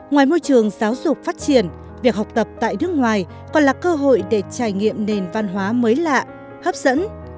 ngoài môi trường giáo dục phát triển việc học tập tại nước ngoài còn là cơ hội để trải nghiệm nền văn hóa mới lạ hấp dẫn